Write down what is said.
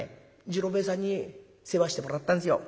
次郎兵衛さんに世話してもらったんですよ。